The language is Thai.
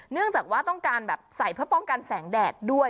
เนื่องจากว่าต้องการแบบใส่เพื่อป้องกันแสงแดดด้วย